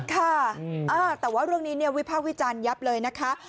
ค่ะแต่ว่าเรื่องนี้วิภาควิจารณ์ยับเลยนะคะ